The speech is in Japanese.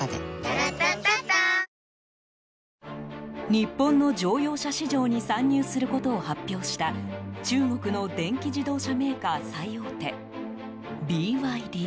日本の乗用車市場に参入することを発表した中国の電気自動車メーカー最大手ＢＹＤ。